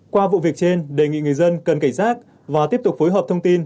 qua vụ việc trên đề nghị người dân cần cảnh giác và tiếp tục phối hợp thông tin